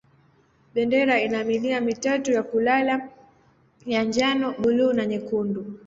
Bendera ina milia mitatu ya kulala ya njano, buluu na nyekundu.